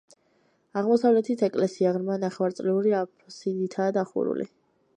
აღმოსავლეთით ეკლესია ღრმა ნახევარწრიული აფსიდითაა დასრულებული.